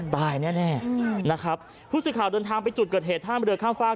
ตายแน่แน่นะครับผู้สื่อข่าวเดินทางไปจุดเกิดเหตุท่ามเรือข้ามฝาก